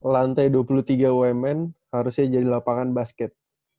lantai dua puluh tiga umn harusnya jadi lapangan basket